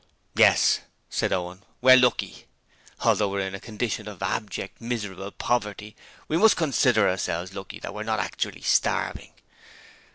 'Yes,' said Owen: 'we're lucky! Although we're in a condition of abject, miserable poverty we must consider ourselves lucky that we're not actually starving.'